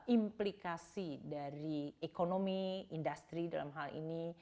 implikasi dari ekonomi industri dalam hal ini